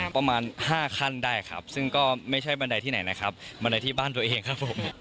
ประมาณ๕ขั้นได้ครับซึ่งก็ไม่ใช่บันไดที่ไหนนะครับบันไดที่บ้านตัวเองครับผม